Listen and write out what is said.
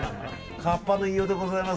カッパの飯尾でございます。